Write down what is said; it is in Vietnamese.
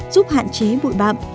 giúp hạn chế bụi bạm